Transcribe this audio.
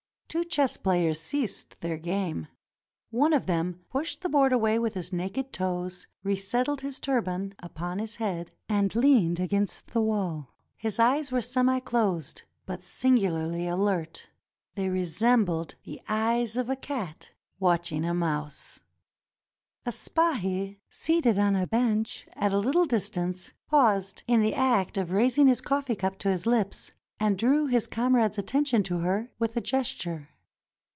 Two chess players ceased their game. One of them pushed the board away with his naked toes, resettled his turban upon his head, and leaned against the wall. His eyes were semi closed, but singularly alert ; they resembled [the eyes of a cat watching a mouse. A spahi, seated on a bench at a little distance, paused in the act of raising his coffee cup to his lips, and drew his comrade's attention to her with a gesture.